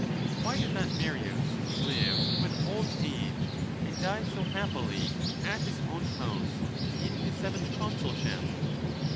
Why did that Marius live to an old age, and die so happily at his own house in his seventh I consulship?